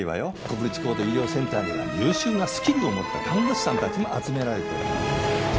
国立高度医療センターには優秀なスキルを持った看護師さんたちも集められているの。